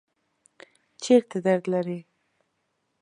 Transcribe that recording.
چیرته درد لرئ؟